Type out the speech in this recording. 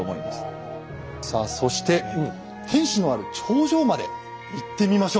さあそして天主のある頂上まで行ってみましょう。